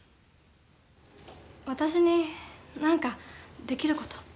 私に、なんかできること。